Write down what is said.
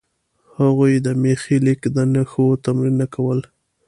هغوی د میخي لیک د نښو تمرینونه کول.